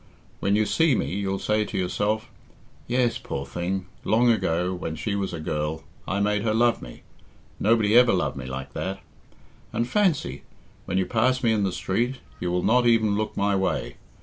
When you see me you'll say to yourself, 'Yes, poor thing; long ago, when she was a girl, I made her love me. Nobody ever loved me like that.' And fancy! when you pass me in the street, you will not even look my way.